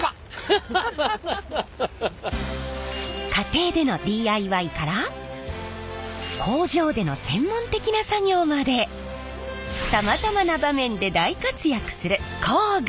家庭でのＤＩＹから工場での専門的な作業までさまざまな場面で大活躍する工具。